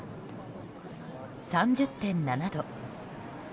３０．７度。